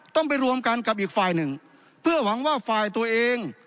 ต้องไปรวมกันกับอีกฝ่ายหนึ่งเพื่อหวังว่าฝ่ายตัวเอง